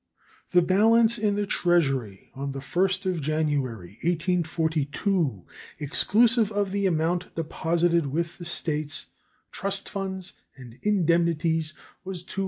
The balance in the Treasury on the 1st of January, 1842, exclusive of the amount deposited with the States, trust funds, and indemnities, was $230,483.